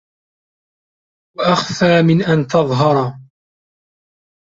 وَأَخْفَى مِنْ أَنْ تَظْهَرَ